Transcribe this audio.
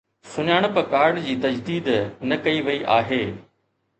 سڃاڻپ ڪارڊ جي تجديد نه ڪئي وئي آهي